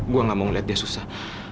gue gak mau ngeliat dia susah